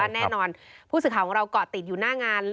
แน่นอนผู้สื่อข่าวก่อติดอยู่หน้างาน